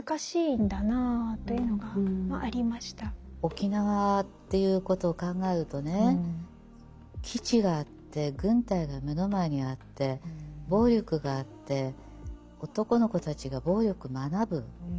沖縄っていうことを考えるとね基地があって軍隊が目の前にあって暴力があって男の子たちが暴力学ぶ。